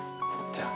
じゃあ。